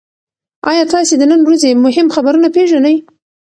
ایا تاسي د نن ورځې مهم خبرونه پېژنئ؟